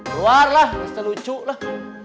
keluar lah mesti lucu lah